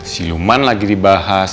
siluman lagi dibahas